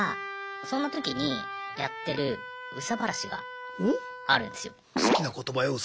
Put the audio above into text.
そんな時にやってる憂さ晴らしがあるんですよ。